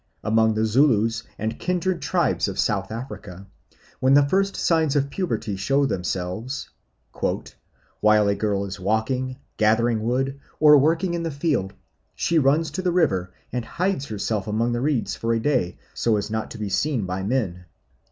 Among the Zulus and kindred tribes of South Africa, when the first signs of puberty show themselves "while a girl is walking, gathering wood, or working in the field, she runs to the river and hides herself among the reeds for the day, so as not to be seen by men.